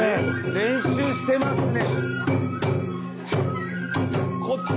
練習してますね。